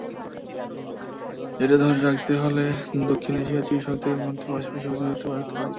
এটা ধরে রাখতে হলে দক্ষিণ এশিয়ার চিকিৎসকদের মধ্যে পারস্পরিক সহযোগিতা বাড়াতে হবে।